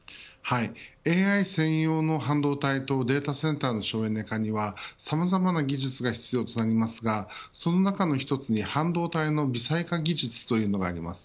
ＡＩ専用の半導体とデータセンターの省エネ化にはさまざまな技術が必要となりますがその中の一つに、半導体の微細化技術というのがあります。